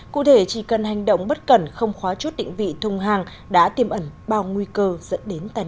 cụ thể chỉ cần hành động bất cần không khóa chút định vị thông hàng đã tiêm ẩn bao nguy cơ dẫn đến tai nạn